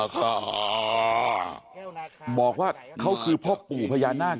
ก็บอกว่าเขาคือพ่อปู่พญานาค